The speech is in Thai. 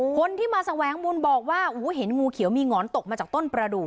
คนที่มาแสวงบุญบอกว่าเห็นงูเขียวมีหงอนตกมาจากต้นประดูก